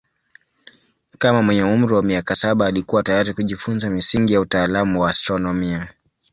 Kama mwenye umri wa miaka saba alikuwa tayari kujifunza misingi ya utaalamu wa astronomia.